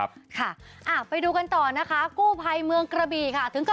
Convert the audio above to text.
อ่ะไปดูกันต่อค่ะกู้ภัยเมืองกระบี่